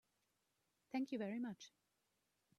Thank you very much.